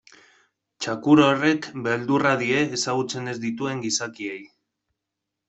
Txakur horrek beldurra die ezagutzen ez dituen gizakiei.